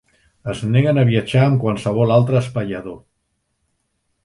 Es neguen a viatjar amb qualsevol altre espaiador.